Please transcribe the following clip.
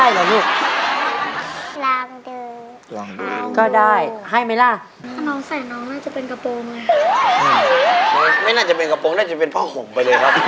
อ๋ออยากใส่ชุดค่ะอ๋ออยากใส่ชุดค่ะอ๋ออยากใส่ชุดค่ะ